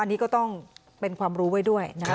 อันนี้ก็ต้องเป็นความรู้ไว้ด้วยนะ